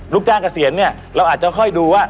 ลูกจ้างเกษียณเนี่ยเราอาจจะค่อยดูว่า